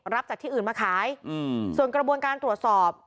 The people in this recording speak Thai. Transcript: รับจากที่อื่นมาขายส่วนกระบวนการตรวจสอบ